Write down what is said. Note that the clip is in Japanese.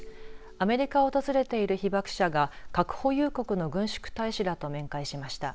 アメリカを訪れている被爆者が核保有国の軍縮大使らと面会しました。